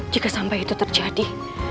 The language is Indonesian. jika sampai itu terjadi